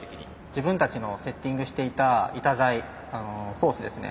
自分たちのセッティングしていた板材コースですね。